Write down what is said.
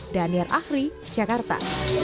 danier ahri jakarta